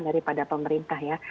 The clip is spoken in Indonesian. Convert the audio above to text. daripada pemerintah ya